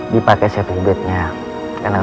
maafin bokap lu